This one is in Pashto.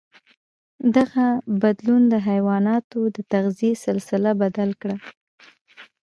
دغه بدلون د حیواناتو د تغذيې سلسله بدل کړه.